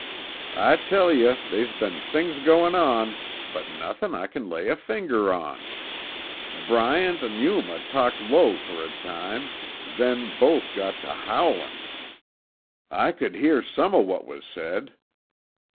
"I tell yuh, they's been things goin' on, but nothin' I c'n lay a finger on. Bryant an' Yuma talked low fer a time, then both got tuh howlin'. I c'd hear some o' what 'uz said.